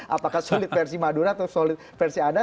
apakah sulit versi madura atau solid versi anda